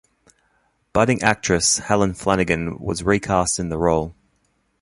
"Budding actress" Helen Flanagan was recast in the role.